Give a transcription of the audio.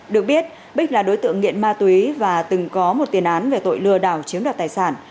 được biết bích là đối tượng nghiện ma túy và từng có một tiền án về tội lừa đảo chiếm đoạt tài sản